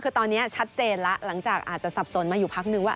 คือตอนนี้ชัดเจนแล้วหลังจากอาจจะสับสนมาอยู่พักนึงว่า